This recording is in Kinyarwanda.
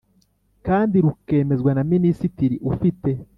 kandi rukemezwa na Minisitiri ufite